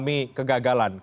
pemerintah mengalami kegagalan